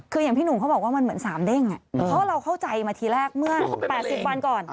คืออย่างพี่หนุ่มเขาบอกว่ามันเหมือน๓เด้งเพราะเราเข้าใจมาทีแรกเมื่อ๘๐วันก่อน